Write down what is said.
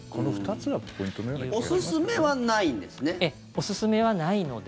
おすすめはないので。